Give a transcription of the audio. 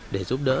để giúp đỡ